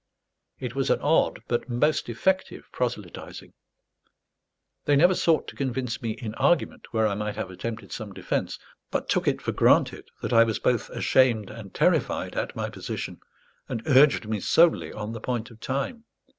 It was an odd but most effective proselytizing. They never sought to convince me in argument, where I might have attempted some defence; but took it for granted that I was both ashamed and terrified at my position, and urged me solely on the point of time.